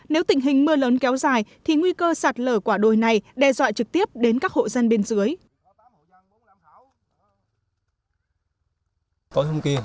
nếu tình hình mưa lớn kéo dài thì nguy cơ sạt lở quả đồi này đe dọa trực tiếp đến các hộ dân bên dưới